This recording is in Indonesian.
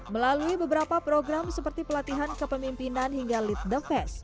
melalui beberapa program seperti pelatihan kepemimpinan hingga lead the fest